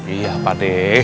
iya pak d